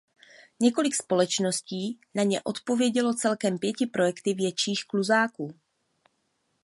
Několik společností na ně odpovědělo celkem pěti projekty větších kluzáků.